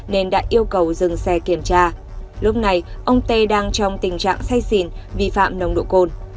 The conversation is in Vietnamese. nên đã yêu cầu dừng xe kiểm tra lúc này ông tê đang trong tình trạng say xỉn vi phạm nồng độ cồn